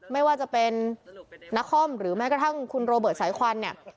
ไม่ว่าจะเป็นนักคอมหรือแม้กระทั่งคุณโรเบิร์ตสายควันเนี่ย